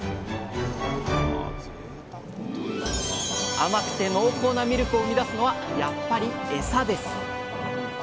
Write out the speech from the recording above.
甘くて濃厚なミルクを生み出すのはやっぱりエサです。